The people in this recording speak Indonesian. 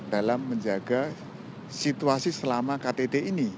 dalam menjaga situasi selama ktt ini